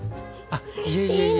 あっいえいえいえ。